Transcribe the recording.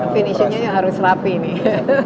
finishingnya yang harus rapi nih